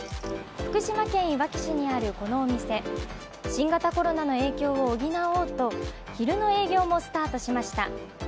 福島県いわき市にあるこのお店新型コロナの影響を補おうと昼の営業もスタートしました。